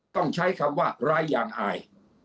ต้องใช้คำว่าร้ายยางอาย